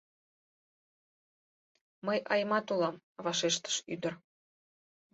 — Мый Аймат улам, — вашештыш ӱдыр.